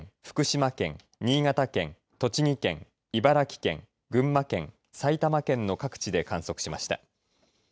福島県、新潟県、栃木県茨城県、群馬県、埼玉県の各地で観測しました。